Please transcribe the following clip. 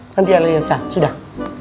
nanti ali lihat sudah